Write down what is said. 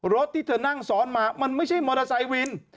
รถที่เธอนั่งซ้อนมามันไม่ใช่มอเตอร์ไซค์วิน